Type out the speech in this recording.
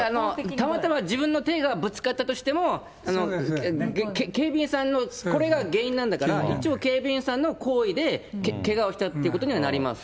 たまたま自分の手がぶつかったとしても、警備員さんのこれが原因なんだから、一応、警備員さんの行為でけがをしたということにはなります。